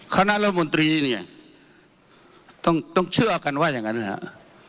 คณะรัฐมนตรีเนี่ยต้องเชื่อกันว่าอย่างนั้นนะครับ